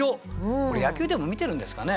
これ野球でも見てるんですかね？